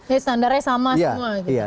jadi standarnya sama semua gitu